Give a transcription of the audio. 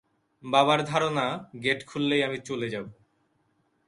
বাবার ধারণা, গেট খুললেই আমি চলে যাব।